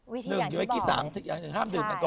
วิธีอย่างที่บอก